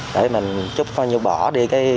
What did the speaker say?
để mình chút bỏ đi